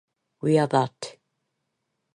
We are That.